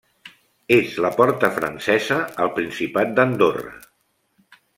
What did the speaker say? És la porta francesa al Principat d'Andorra.